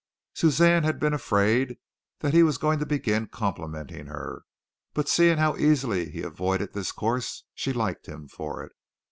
Suzanne had been afraid that he was going to begin complimenting her, but seeing how easily he avoided this course she liked him for it.